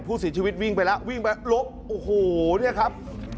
ผู้เสียชีวิตวิ่งไปแล้วลุกโอ้โหนี่ครับ